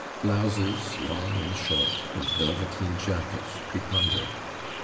Blouses, long and short, and velveteen jackets preponderate.